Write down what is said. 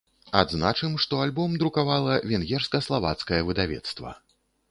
Адзначым, што альбом друкавала венгерска-славацкае выдавецтва.